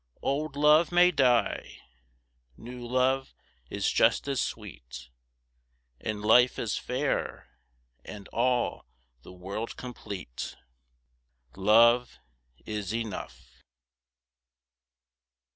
Old love may die; new love is just as sweet; And life is fair and all the world complete: Love is enough!